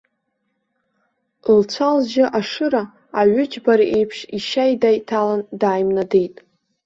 Лцәа-лжьы ашыра, аҩы џьбара еиԥш ишьаида иҭалан дааимнадеит.